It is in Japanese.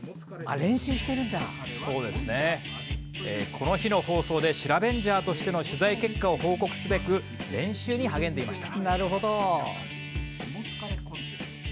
この日の放送でシラベンジャーとしての取材結果を報告すべく練習に励んでいました。